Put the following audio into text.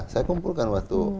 saya kumpulkan waktu